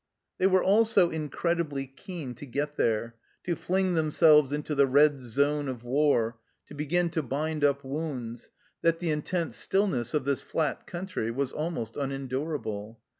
They were all so incredibly keen to get there, to fling themselves into the red zone of war, to begin to bind up wounds, that the intense stillness of this flat country was almost un endurable.